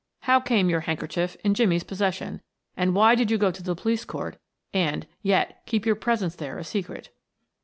How came your handkerchief in Jimmie's possession, and why did you go to the police court and, yet keep your presence there a secret?"